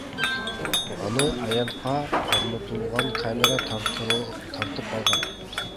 Аны аянтка орнотулган камера тартып алган.